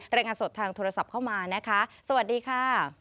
รายงานสดทางโทรศัพท์เข้ามานะคะสวัสดีค่ะ